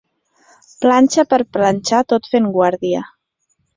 Planxa per planxar tot fent guàrdia.